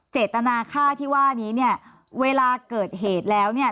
เจตนาค่าที่ว่านี้เนี่ยเวลาเกิดเหตุแล้วเนี่ย